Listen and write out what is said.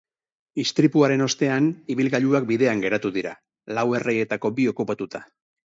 Istripuaren ostean, ibilgailuak bidean geratu dira, lau erreietako bi okupatuta.